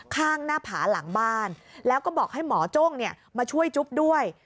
ข้างหน้าผาหลังบ้านแล้วก็บอกให้หมอจ้งมาช่วยจุ๊บด้วย